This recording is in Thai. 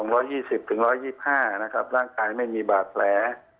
๒๒๐๑๒๕ร่างกายไม่มีบาดแผล